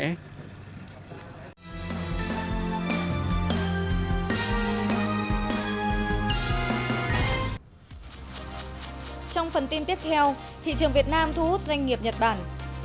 trong phần tin tiếp theo thị trường việt nam thu hút doanh nghiệp nhật bản